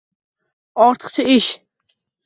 Ortiqcha ish